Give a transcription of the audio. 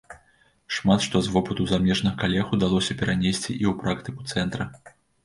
Шмат што з вопыту замежных калег удалося перанесці і ў практыку цэнтра.